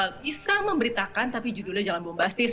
kita bisa memberitakan tapi judulnya jangan bombastis